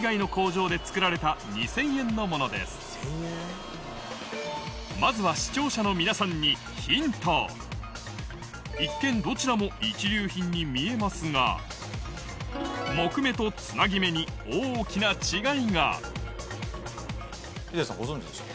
もう一方はまずは視聴者の皆さんにヒント一見どちらも一流品に見えますが木目とつなぎ目に大きな違いが秀さんご存じでした？